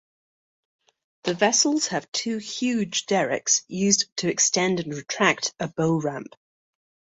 The vessels have two huge derricks used to extend and retract a bow ramp.